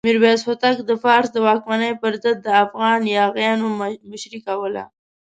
میرویس هوتک د فارس د واکمنۍ پر ضد د افغان یاغیانو مشري کوله.